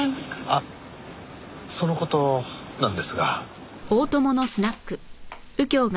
あっその事なんですが。